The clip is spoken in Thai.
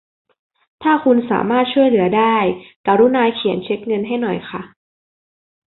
ถ้าคุณสามารถช่วยเหลือได้ กรุณาเขียนเช็คเงินให้หน่อยค่ะ